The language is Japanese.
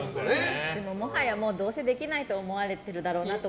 でももはやどうせできないと思われてるだろうなと